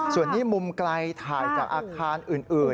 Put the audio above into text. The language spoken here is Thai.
ส่วนนี้มุมไกลถ่ายจากอาคารอื่น